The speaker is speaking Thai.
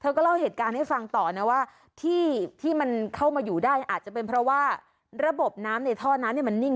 ก็เล่าเหตุการณ์ให้ฟังต่อนะว่าที่มันเข้ามาอยู่ได้อาจจะเป็นเพราะว่าระบบน้ำในท่อน้ำเนี่ยมันนิ่ง